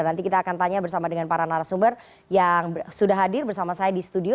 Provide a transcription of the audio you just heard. nanti kita akan tanya bersama dengan para narasumber yang sudah hadir bersama saya di studio